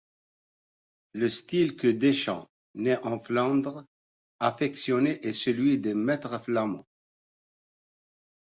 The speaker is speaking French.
Le style que Descamps, né en Flandre, affectionnait est celui des maitres flamands.